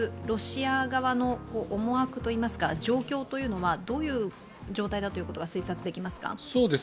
ロシア側の思惑というか状況というのはどういう状態だというのが推察できますか？